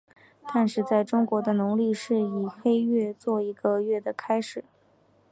但是在中国的农历是以黑月做为一个月的开始。